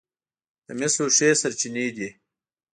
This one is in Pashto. د مسو ښې سرچینې دي.